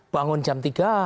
bangun jam tiga